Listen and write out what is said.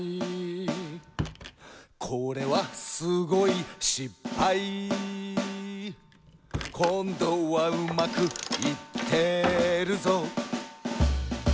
「これはすごいしっぱい」「こんどはうまくいってるぞ」